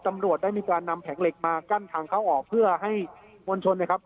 ตำรวจได้มีการนำแผงเหล็กมากั้นทางเข้าออกเพื่อให้มวลชนนะครับ